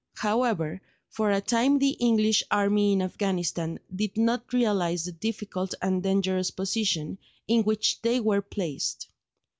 However, for a time the English army in Afghanistan did not realise the difficult and dangerous position in which they were placed.